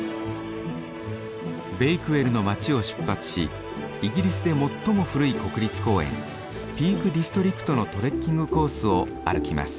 ベイクウェルの街を出発しイギリスで最も古い国立公園ピークディストリクトのトレッキングコースを歩きます。